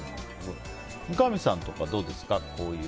三上さんはどうですか？